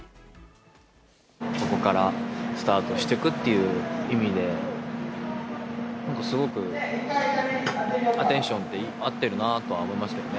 ここからスタートしてくっていう意味で、すごくアテンションって、合ってるなとは思いますけどね。